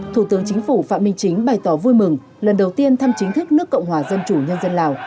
thủ tướng chính phủ phạm minh chính bày tỏ vui mừng lần đầu tiên thăm chính thức nước cộng hòa dân chủ nhân dân lào